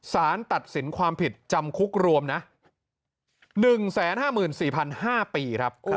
สารตัดสินความผิดจำคุกรวม๑๕๔๕๐๐ปี